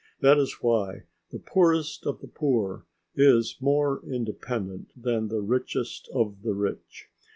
That is why the poorest of the poor is more independent than the richest of the rich.